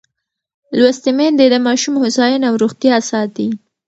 لوستې میندې د ماشوم هوساینه او روغتیا ساتي.